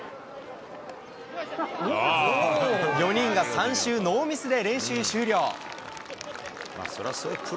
４人が３周ノーミスで練習終了。